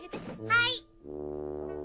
はい！